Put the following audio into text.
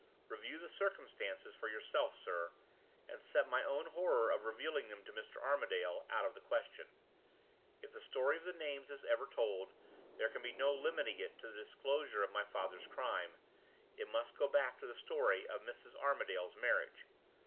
Review the circumstances for yourself, sir, and set my own horror of revealing them to Mr. Armadale out of the question. If the story of the names is ever told, there can be no limiting it to the disclosure of my father's crime; it must go back to the story of Mrs. Armadale's marriage.